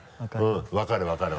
うん分かる分かる。